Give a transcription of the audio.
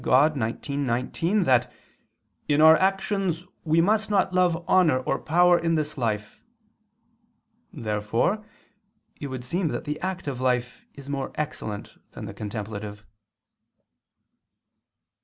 Dei xix, 19) that "in our actions we must not love honor or power in this life." Therefore it would seem that the active life is more excellent than the contemplative.